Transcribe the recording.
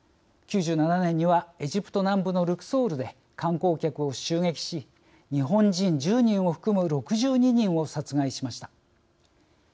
９７年にはエジプト南部のルクソールで観光客を襲撃し日本人１０人を含む６２人を殺害しました。